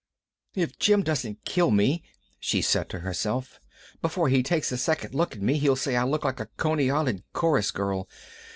"If Jim doesn't kill me," she said to herself, "before he takes a second look at me, he'll say I look like a Coney Island chorus girl.